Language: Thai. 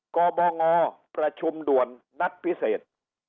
กบงประชุมด่วนนัดพิเศษ